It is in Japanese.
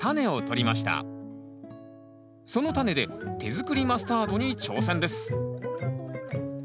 そのタネで手作りマスタードに挑戦です